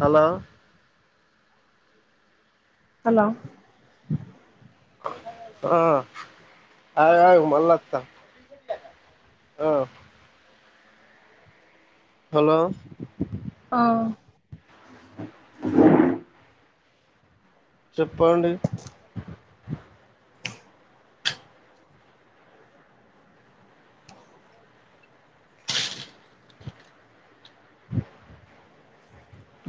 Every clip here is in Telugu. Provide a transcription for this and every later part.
హలో హలో ఆ ఆగు ఆగు మల్లొత్త ఆ హలో ఆ ఆ చెప్పండి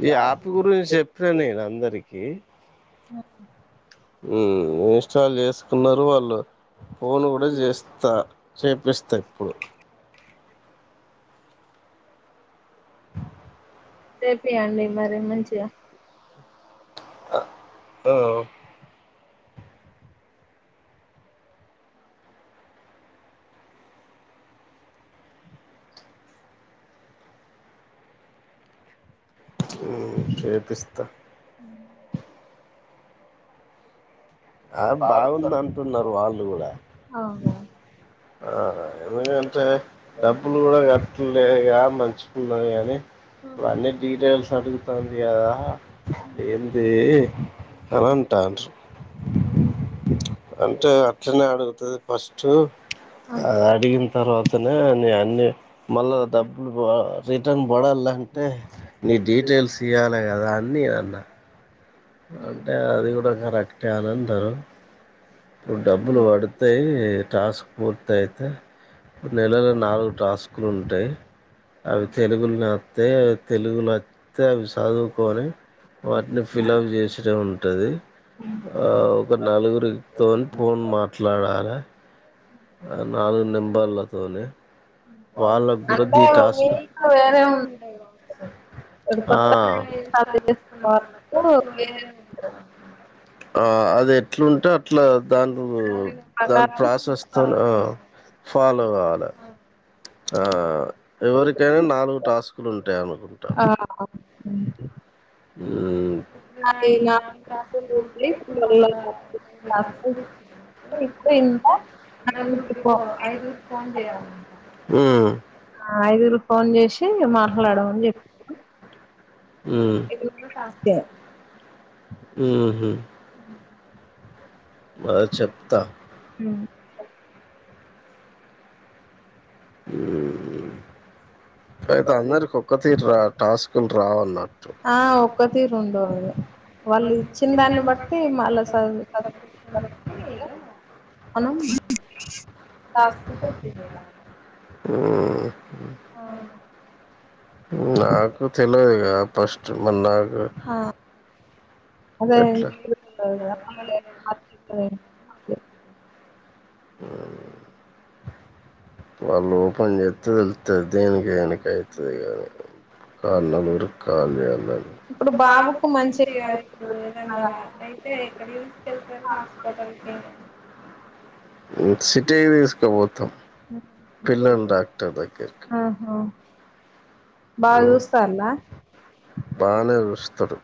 ఈ యాప్ గురించి చెప్ప నేను అందరికి ఆ ఉమ్ ఇన్స్టాల్ చేసుకున్నారు వాళ్ళు ఫోను కూడా చేస్తా చేపిస్తా ఇప్పుడు చేపియండి మరి మంచిగా ఆ వ్ చేపిస్త యాప్ బాగుంది అంటున్నారు వాళ్ళు కూడా అవునా ఆ ఎ అంటే డబ్బులు కూడా కట్ లేదుగా మంచి కున్నవి గానీ ఇవన్నీ డీటెయిల్స్ అడుగుతాన్ది కదా ఏంది అనన్ ట అం డ్రూ ఓ అంటే అట్లనే అడుగుతది ఫస్ట్ అ అడిగింద్ తర్వాతనే నే అన్ని మళ్ళా డబ్బులు రిటర్న్ పడాలంటే నే ఈ డీటేల్స్ ఇయ్యాలే కదా అన్నీ అన్న అంటే అది కూడా కరెక్టే అని అంటారు ఇప్పుడు డబ్బులు పడుతయ్ ఈ టాస్క్ పూర్తి అయితే నెలలో నాలుగు టాస్కులు ఉంటాయ్ అవి తెలుగుల్నే వత్త య్ అవి తెలుగులాతే అవి చదువుకోవాలి [unintelligible] ఏసుట ఉంటది ఆ ఒక నలుగురితోన్ పోన్ మాట్లాడాలా అది నాలుగు నెంబర్లతోనే వాళ్ళక్ కూడా దీ టాస్క్ ఆ స్టార్ట్ చేస్తున్నా వాళ్ళకు ఇగ వేరేది ఉంటది అనమాట ఆ అది ఎట్లుంటే అట్లా దాన్టు టు దాని ప్రాసెస్తో నో ఫాలో కావాలి ఆ ఎవరికైనా నాలుగు టాస్కులు ఉంటాయి అనుకుంటా అ [unintelligible] ఉం నా కాస్తాయి మళ కాస్త [unintelligible] ఇంక నలుగురికి ఫో ఐదుగురి కి ఫోన్ చేయాల ఆ ఐదుగురుకి ఫోన్ చేసి మాట్లాడమని చెప్పు ఉం హు హమ్ మరి చెప్తా [inaudible] అయితే అందరికి ఒక్క తీరు రా టాస్కులు రావన్నట్టు [unintelligible] వాళ్ళు ఇచ్చిన దాన్ని బట్టి మళ్ళా అ కాస్ [unintelligible] ఆ [inaudible] నాకు తెలివదిగా ఫస్ట్ మన్నాకు అదే ఆ [inaudible] వాళ్ళు ఓపెన్ చేత్తే తెలుత్తది దేనికి వెనక అయితది కానీ కంరు కాాల అన్న [unintelligible] ఇప్పుడు బాబుకు మంచిగా ఇప్పుడు ఏదన్న అయితే ఇక్కడ ూస్కెళ్తారు హాస్పిటల్కి [unintelligible] సిటీకి తీసుకపోతాం బుడ్డోనికా ఆహా బానే చూస్తరు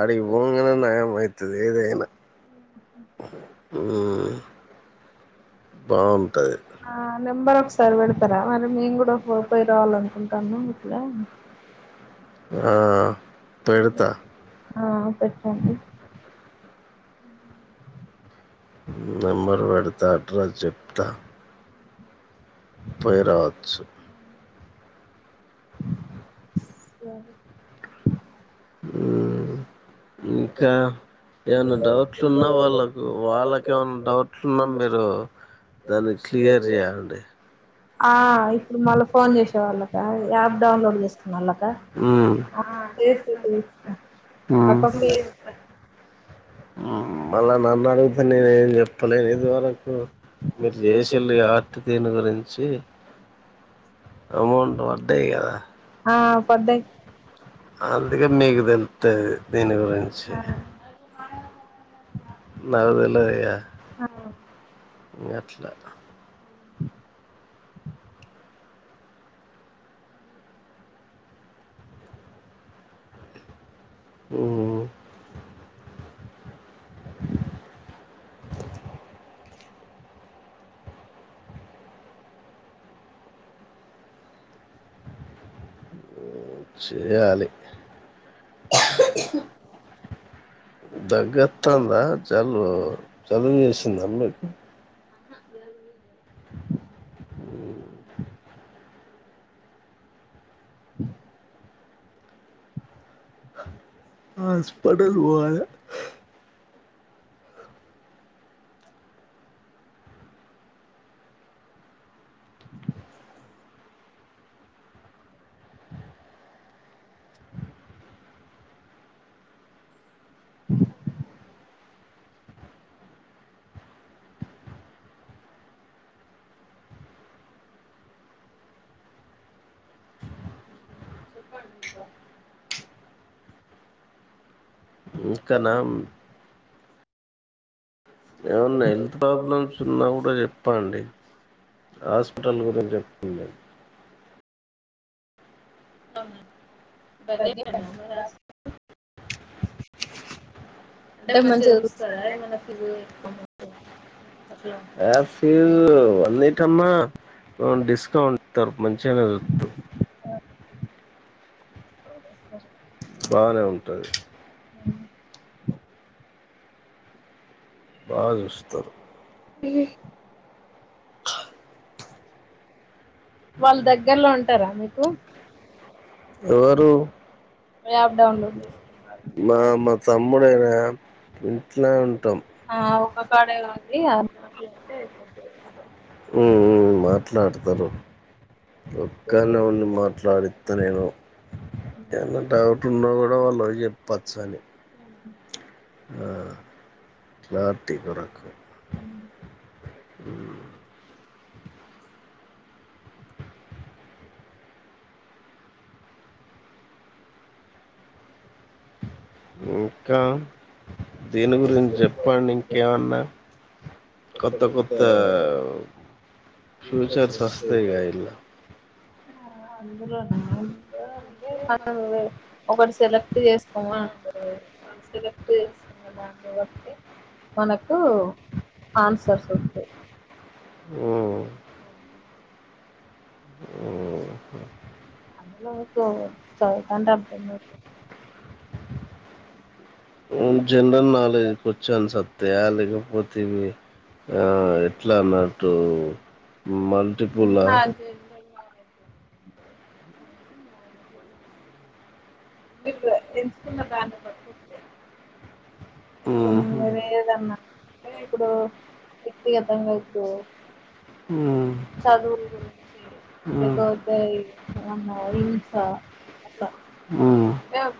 అడికి పోంగనే నయమైతది ఎదైనా ఆ [inaudible] బాగుంటది ఆ నెంబర్ ఒకసారి పెడతారా మరి మేము కూడా పోయి రావాలనుకుంటున్నం ఇట్లా ఆ పెడుత ఆ పెట్టండి నెంబర్ పెడతా అడ్రస్ చెప్తా పోయిరావచ్చు సరే ఇంకా ఏమన్న డౌట్లు ఉన్నా వాళ్ళకు వాళ్ళకి ఏమన్న డౌట్లు ఉన్నా మీరు దాన్ని క్లియర్ చేయాలండి ఫన్ [unintelligible] ఆ చేస్త చేస్త తప్పకుండా చేస్త మళ్ళ నన్ను అడుగుతే నేను ఏం చెప్ చెప్పలెంది వాల్లకు మీరు చేసిల్లు కాబట్టి దీన్ని గురించి అమౌంట్ పడ్డయి కదా ఆ పడ్డయి అందుకే మీకు తెలుతది దీని గురించి నాకు తెలువదు ఇగ ఇంగ అట్లా అ [unintelligible] చేయాలి దగ్గతుందా జలు జలుబు చేసింద అ మీకు బ [unintelligible] అ [unintelligible] ఆస్ పడల్ వాలా [inaudible] ఇంకా నామ్ ఏమన్నా హెల్త్ ప్రాబ్లమ్స్ ఉన్నా కూడా చెప్పండి హాస్పిటల్ గురించి చెప్తున్నా అవునా దగ్గర్నేన మరి. [inaudible] [inaudible] అంటే మంచిగా చూస్తరా ఏమన్నా ఫిజు యా ఫీజు వలేకమ్మా ఒన్ డిస్కౌంట్ ఇత్తరు మంచిగానే చూత్తరు [inaudible] బానే ఉంటది బా చూస్తారు ఫీ వాళ్ళు దగ్గర్లో ఉంటారా మీకు ఎవరు మా మా తమ్ముడేనా ఇంట్లా ఉంటాం ఉ ఉ మాట్లాడతారు ఒక్కనే ఉండి మాట్లాడిత్త నేను ఎమన్న డౌట్లు ఉన్నా కూడా వాళ్ళు నాకు చెప్పచ్చు అని. [inaudible] ఆ రాత్తి ఇదో రకం [inaudible] [inaudible] ఇంకా దీని గురించి చెప్పండి ఇంకేమన్నా కొత్త కొత్త ఫ్యూచర్స్ వస్తాయిగా ఇలా ఆ ఆ అందులోనాయి అంటే మనము, ఒకటి సెలెక్ట్ చేసుకునుడు ఉంటది. మనము సెలెక్ట్ చేస్ ఇంగ దాన్ని బట్టి మనకు, ఆన్సర్ దొరుకుతాది. ఉ ఉ అందులో [unintelligible] చదువుతాంటే అర్ధమైత్. జనరల్ నాలెడ్జ్కి వచ్చాను సత్య లేకపోతీవి ఆ ఎట్లా అన్నట్టు మల్టిపుల్లా మీరు ఎంచుకున్న దాన్ని పట్టిచ్చే ఇక మీరేదన్న ఇప్పుడు వ్యక్తిగతంగా ఇప్పుడు జగర [unintelligible] బికాస్ ఐ ఫోన్ నా రింగ్ ఆ అట్లా. డేబ్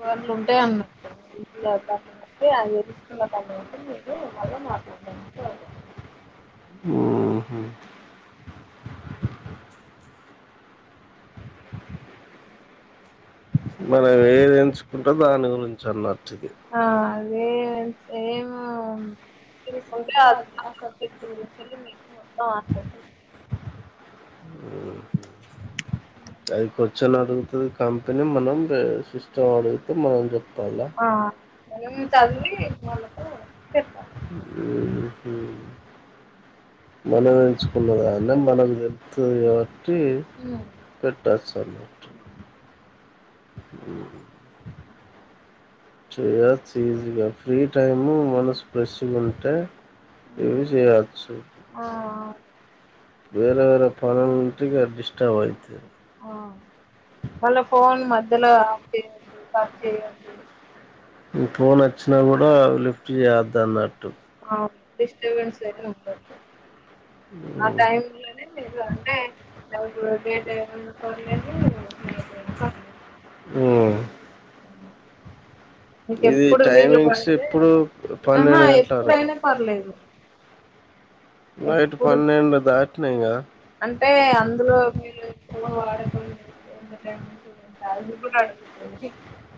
ఇవ్వన్ని ఉంటాయి అన్నట్టు. [unintelligible] మళ్ళా మార్ [inaudible] ఉ హు మనం ఏది ఎంచుకుంట దాని గురించి అన్నట్టు ఇగే అవున్ బేసిక్ ఉంటే ఆ ఆ సబ్జెక్ట్ [unintelligible] [inaudible] [inaudible] అది కూర్చని అడుగుతుది కంపెనీ మనం రే సిస్టం అడుగితే మనం చెప్పాలా. ఆ చదివి వాళ్లతో చెప్తాను మనం ఎంచుకున్నదని మనం మన [unintelligible] బట్టి పెట్టచ్చు అను ఆ చేయచ్చ ఈజీగా ఫ్రీ టైము మనసు ఫ్రెష్ గా ఉంటే ఏ సియచ్చు వేరే వేరే పనులు ఉంటే ఇగ డిస్టర్బ్ అయితది ఆ అలా పో అందులో [unintelligible] నీ ఫోన్ వచ్చినా కూడా లీ చేత నటు ఆ టైమ్ [unintelligible] లేదు అంటే డేట్ అయినా పరవాలేదు ఇంకా ఇది టైమింగ్స్ ఎప్పుడు పన్నెండు గంటలకు నైట్ పన్నెండు దాటినై కదా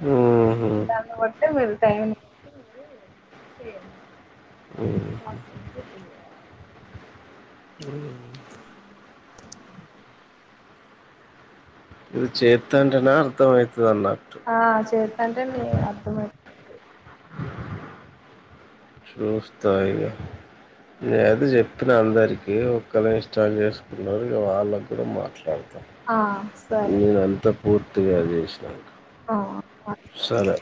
హ్మ్మ్ [unintelligible] కొడితే మీరు టైం ఉ మీరు చేతటానా అర్థమై ఆ చేస్తంటే నీ అర్థమై చూస్తా ఇగా ఏదో చెప్పిన అందరి ఏ ఒక్కరు ఇన్స్టాల్ చేసుకున్నారు ఇగ వాళ్ళకు కూడా మాట్లాడు నేను అంత పూర్తిగా చేషినా సరే